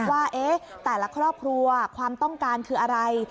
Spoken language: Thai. ว่าแต่ละครอบครัวความต้องการคืออะไร